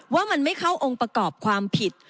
ว่ามันไม่เข้าองค์ประกอบความผิด